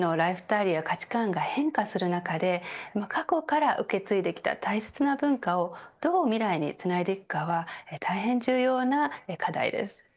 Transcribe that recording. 私たちのライフスタイルや価値感が変化する中で過去から受け継いできた大切な文化をどう未来につないでいくかは大変重要な課題です。